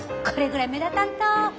これぐらい目立たんと。